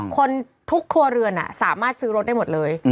คนทุกครัวเรือนสามารถซื้อรถได้หมดเลย